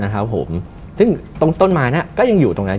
ซึ่งต้นมาก็ยังอยู่ตรงนั้น